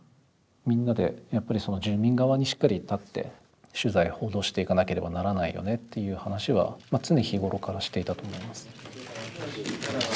みんなでやっぱり住民側にしっかり立って取材報道していかなければならないよねっていう話は常日頃からしていたと思います。